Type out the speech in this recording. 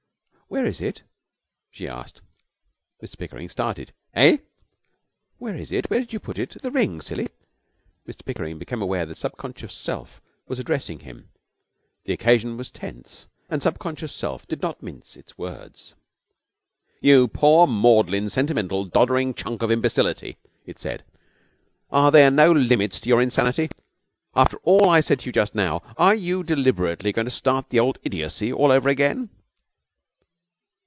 'Where is it?' she asked. Mr Pickering started. 'Eh?' 'Where is it? Where did you put it? The ring, silly!' Mr Pickering became aware that Subconscious Self was addressing him. The occasion was tense, and Subconscious Self did not mince its words. 'You poor, maudlin, sentimental, doddering chunk of imbecility,' it said; 'are there no limits to your insanity? After all I said to you just now, are you deliberately going to start the old idiocy all over again?'